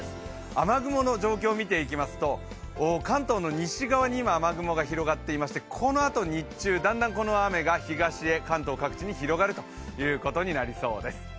雨雲の状況を見ていきますと関東の西側に今、雨雲が広がっていましてこのあと日中、だんだんこの雨が東へ、関東各地へ広がるということのようです。